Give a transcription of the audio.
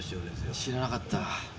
知らなかった。